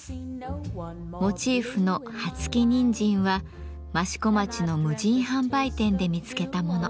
モチーフの葉つきニンジンは益子町の無人販売店で見つけたもの。